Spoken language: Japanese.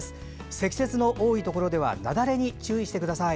積雪の多いところでは雪崩に注意してください。